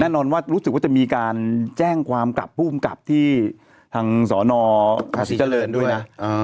แน่นอนว่ารู้สึกว่าจะมีการแจ้งความกลับผู้อุ้มกลับที่ทางสอนอสิเจริญด้วยน่ะอ๋อ